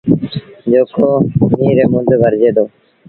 جيڪو ميݩهن ريٚ مند ڀرجي دو۔